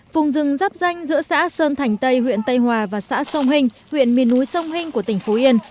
vùng rừng rắp danh giữa xã sơn thành tây huyện tây hòa và xã sông hình huyện miền núi sông hinh của tỉnh phú yên